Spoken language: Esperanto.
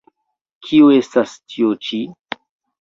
Kio estas tio-ĉi?